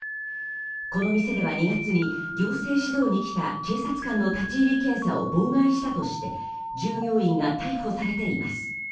この店では２月に行政指導に来た警察官の立ち入り検査を妨害したとして従業員が逮捕されています。